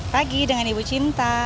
pagi dengan ibu cinta